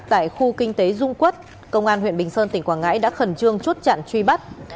tại khu kinh tế dung quốc công an huyện bình sơn tỉnh quảng ngãi đã khẩn trương chốt chặn truy bắt